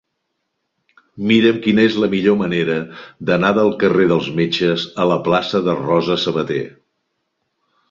Mira'm quina és la millor manera d'anar del carrer dels Metges a la plaça de Rosa Sabater.